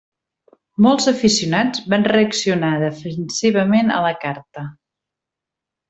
Molts aficionats van reaccionar defensivament a la carta.